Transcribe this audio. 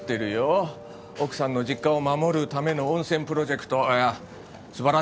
奥さんの実家を守るための温泉プロジェクト素晴らしいね。